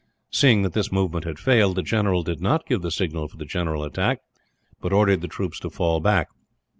Seeing that this movement had failed, the general did not give the signal for the general attack, but ordered the troops to fall back.